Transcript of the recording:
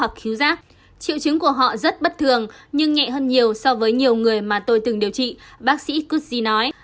triệu chứng của họ rất bất thường nhưng nhẹ hơn nhiều so với nhiều người mà tôi từng điều trị bác sĩ kutsi nói